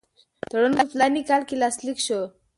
تړون په فلاني کال کې لاسلیک شو.